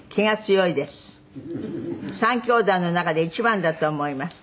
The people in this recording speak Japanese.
「３兄弟の中で一番だと思います」